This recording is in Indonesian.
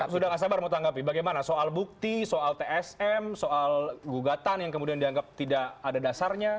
sudah tidak sabar mau tanggapi bagaimana soal bukti soal tsm soal gugatan yang kemudian dianggap tidak ada dasarnya